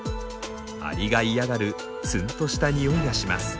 アリが嫌がるツンとした臭いがします。